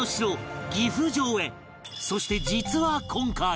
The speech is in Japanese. そして実は今回